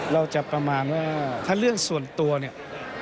ประมาณว่าถ้าเรื่องส่วนตัวเนี่ย